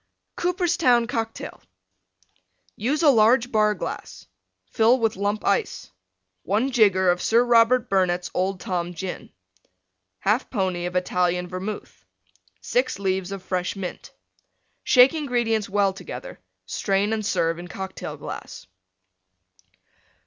COOPERSTOWN COCKTAIL Use a large Bar glass. Fill with Lump Ice. One jigger of Sir Robert Burnette's Old Tom Gin. 1/2 pony of Italian Vermouth. Six leaves of fresh Mint. Shake ingredients well together. Strain and serve in Cocktail glass.